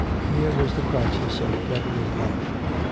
Here was the crisis of Deborah's life!